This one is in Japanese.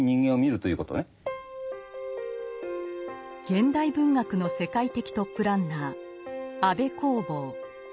現代文学の世界的トップランナー安部公房。